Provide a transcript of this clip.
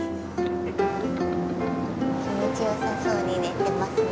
気持ち良さそうに寝てますね。